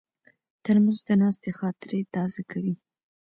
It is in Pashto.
ترموز د ناستې خاطرې تازه کوي.